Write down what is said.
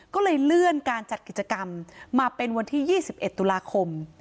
ก็เลยเลื่อนการจัดกิจกรรมมาเป็นวันที่๒๑ตุลาคม